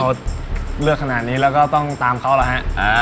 เราเลือกขนาดนี้เราก็ต้องตามเขาเหรอฮะ